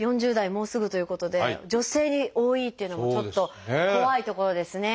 もうすぐということで女性に多いっていうのもちょっと怖いところですね。